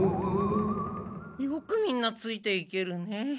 よくみんなついていけるね。